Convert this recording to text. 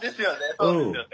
そうですよね。